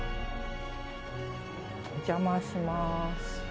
お邪魔します。